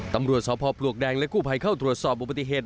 ตำรวจสพปลวกแดงและกู้ภัยเข้าตรวจสอบอุบัติเหตุ